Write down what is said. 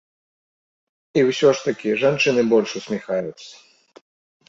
І ўсё ж такі жанчыны больш усміхаюцца.